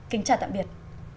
kính chào tạm biệt